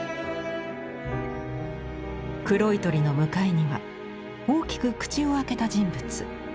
黒い鳥の向かいには大きく口を開けた人物。